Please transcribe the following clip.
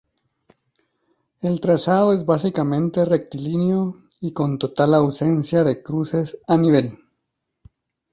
El trazado es básicamente rectilíneo y con total ausencia de cruces a nivel.